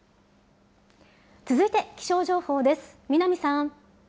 続いて気象情報です。